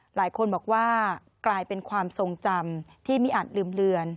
หลายคนบอกว่ากลายเป็นความทรงจำที่ไม่อาจลืมเลือน